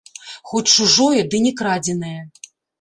Хоць чужое, ды не крадзенае!